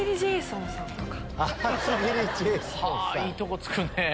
いいとこ突くねぇ。